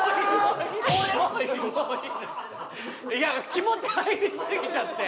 気持ち、入りすぎちゃって。